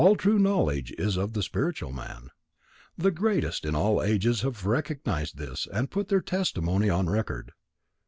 All true knowledge is of the spiritual man. The greatest in all ages have recognized this and put their testimony on record.